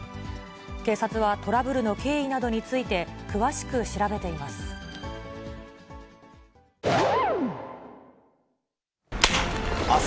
警察はトラブルの経緯などについて詳しく調べています。